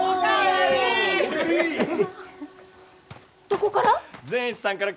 どこから？